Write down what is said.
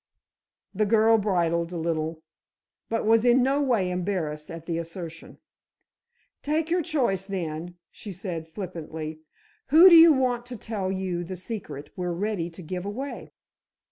The girl bridled a little, but was in no way embarrassed at the assertion. "Take your choice, then," she said, flippantly. "Who do you want to tell you the secret we're ready to give away?"